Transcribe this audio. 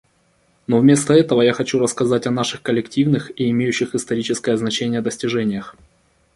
Но вместо этого я хочу рассказать о наших коллективных и имеющих историческое значение достижениях.